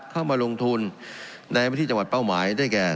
เข้ามาลงทุนในพื้นที่จังหวัดเป้าหมายได้แก่